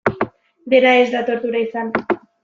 Dena ez da tortura izan.